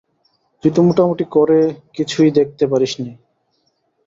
তুই তো মোটামুটি করে কিছুই দেখতে পারিস নে।